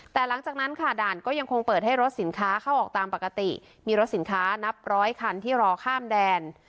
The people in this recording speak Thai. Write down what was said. แต่หลังจากนั้นค่ะด่านก็ยังคงเปิดให้รถสินค้าเข้าออกตามปกติมีรถสินค้านับร้อยคันที่รอข้ามแดน